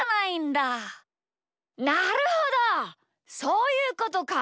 なるほどそういうことか！